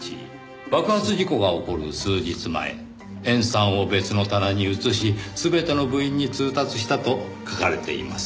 爆発事故が起こる数日前塩酸を別の棚に移し全ての部員に通達したと書かれています。